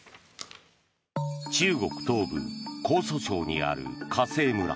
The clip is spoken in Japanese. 中国東部江蘇省にある華西村。